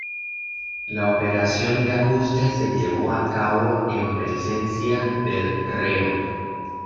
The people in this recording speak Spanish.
La operación de ajuste se llevó a cabo en presencia del reo.